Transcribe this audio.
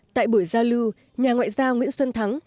tại buổi giao lưu nhà ngoại giao nguyễn xuân thắng